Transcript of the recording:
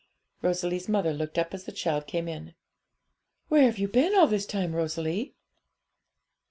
Rosalie's mother looked up as the child came in. 'Where have you been all this time, Rosalie?'